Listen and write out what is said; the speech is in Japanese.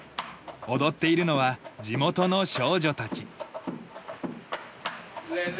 踊っているのは地元の少女たち。